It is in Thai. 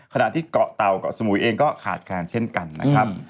ขณะที่เกาะเตาเกาะสมุยเองก็ขาดแคลนเช่นกันนะครับ